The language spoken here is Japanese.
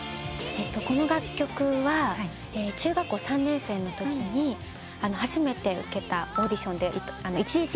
この楽曲は中学校３年生のときに初めて受けたオーディションの一次審査で歌った曲です。